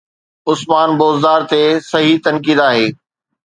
عثمان بوزدار تي صحيح تنقيد آهي.